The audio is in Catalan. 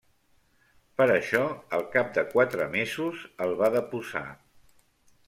Per això al cap de quatre mesos el va deposar.